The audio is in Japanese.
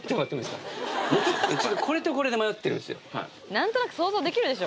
何となく想像できるでしょ